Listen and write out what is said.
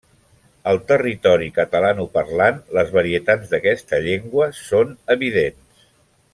Al territori catalanoparlant, les varietats d’aquesta llengua són evidents.